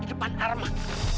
di depan arman